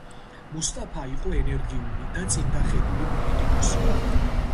მუსტაფა იყო ენერგიული და წინდახედული პოლიტიკოსი.